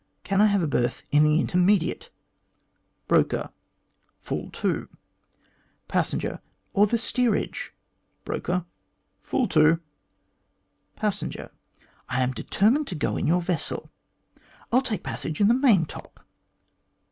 Can I have a berth in the intermediate 1 ?" Broker: "Full too." Passenger :" Or in the steerage?" Broker: "Full too." Passenger : "I am determined to go in your vessel; I'll take a passage in the main top."